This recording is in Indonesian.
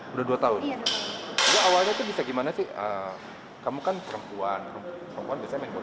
udah dua tahun awalnya itu bisa gimana sih kamu kan perempuan perempuan bisa menekan